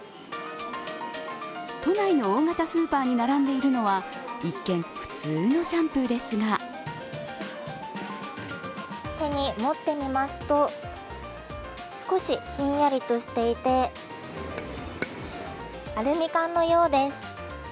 都内の大型スーパーに並んでいるのは、一見、普通のシャンプーですが手に持ってみますと、少しひんやりとしていて、アルミ缶のようです。